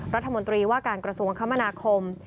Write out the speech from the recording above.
รัฐมนตรีว่าการกระทรวงคมนาคม